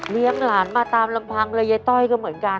หลานมาตามลำพังเลยยายต้อยก็เหมือนกัน